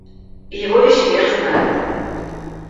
Его весь мир знает.